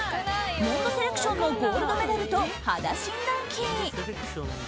モンドセレクションのゴールドメダルと肌診断機。